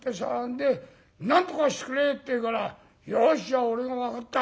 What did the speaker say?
で『なんとかしてくれ』って言うから『よしじゃあ俺が分かった。